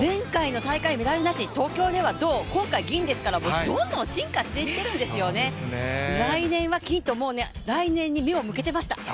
前回の大会メダルなし、東京では銅今回銀ですからどんどん進化していっているんですよね、来年は金と、もう来年に目を向けていました。